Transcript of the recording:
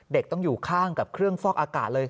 ต้องอยู่ข้างกับเครื่องฟอกอากาศเลย